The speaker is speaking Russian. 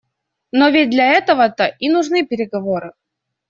Но ведь для этого-то и нужны переговоры.